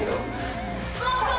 そうそう！